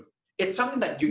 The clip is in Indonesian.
itu sesuatu yang anda cintakan